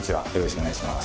お願いします。